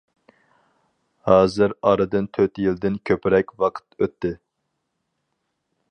ھازىر ئارىدىن تۆت يىلدىن كۆپرەك ۋاقىت ئۆتتى.